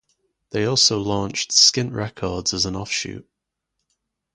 They also launched Skint Records as an offshoot.